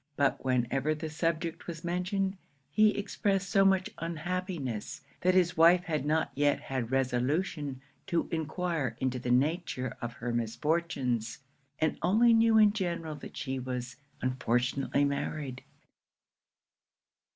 But whenever the subject was mentioned, he expressed so much unhappiness, that his wife had not yet had resolution to enquire into the nature of her misfortunes, and only knew in general that she was unfortunately married.